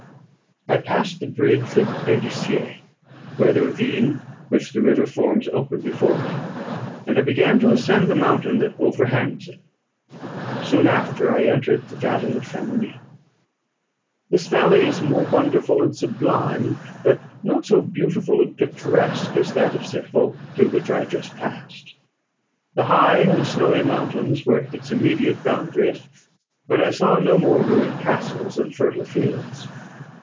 I passed the bridge of Pélissier, where the ravine, which the river forms, opened before me, and I began to ascend the mountain that overhangs it. Soon after I entered the valley of Chamounix. This valley is more wonderful and sublime, but not so beautiful and picturesque, as that of Servox, through which I had just passed. The high and snowy mountains were its immediate boundaries; but I saw no more ruined castles and fertile fields.